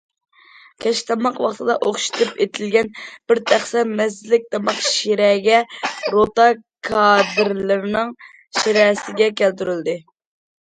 كەچلىك تاماق ۋاقتىدا ئوخشىتىپ ئېتىلگەن بىر تەخسە مەززىلىك تاماق شىرەگە روتا كادىرلىرىنىڭ شىرەسىگە كەلتۈرۈلدى.